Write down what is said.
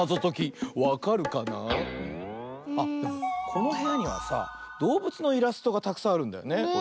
このへやにはさどうぶつのイラストがたくさんあるんだよね。